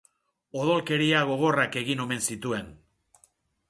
Odolkeria gogorrak egin omen zituen.